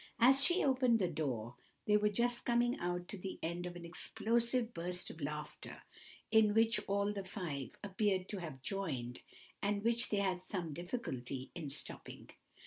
As she opened the door, they were just coming to the end of an explosive burst of laughter, in which all the five appeared to have joined, and which they had some difficulty in stopping.